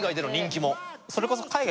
それこそ海外